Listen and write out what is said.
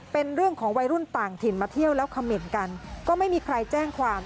เป็นเรื่องของวัยรุ่นต่างถิ่นมาเที่ยวแล้วเขม่นกันก็ไม่มีใครแจ้งความ